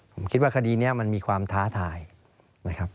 ผมคิดว่าคดีนี้มันมีความท้าทายนะครับ